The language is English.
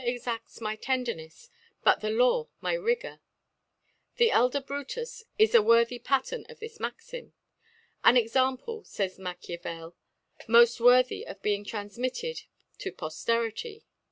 exads my Tendernels, but the Law my Rigour/ The elder ( i85 ) elder Brutus ♦, is a worthy Pattern of thi^ Maxim ; an Example, fays Machiavel^ moft worthy of being tranftnitted to Pofterity.